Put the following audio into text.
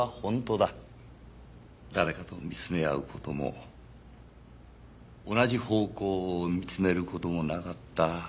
誰かと見つめ合う事も同じ方向を見つめる事もなかった。